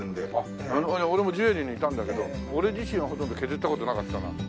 俺もジュエリーにいたんだけど俺自身はほとんど削った事なかったな。